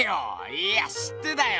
いや知ってたよ